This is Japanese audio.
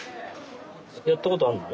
やったことあるの？